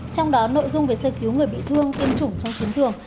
trong đó nội dung về sơ cứu người bị thương tiêm chủng trong chiến trường